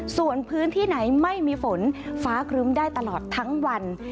ส่วนพื้นที่ไหนไม่มีฝนฟ้าครึ้มได้ตลอดทั้งวัน